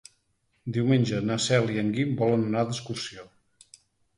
Diumenge na Cel i en Guim volen anar d'excursió.